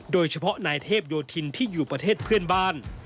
โดยเฉพาะนายเทพโยธินที่อยู่ประเทศเพื่อนบ้าน